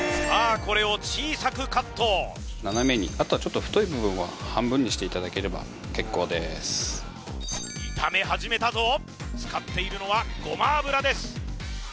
これを小さくカット斜めにあとはちょっと太い部分は半分にしていただければ結構です炒め始めたぞ使っているのはごま油です